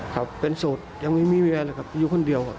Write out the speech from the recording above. ครับเป็นโสดยังไม่มีเวียเลยครับอยู่คนเดียว